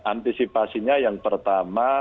antisipasinya yang pertama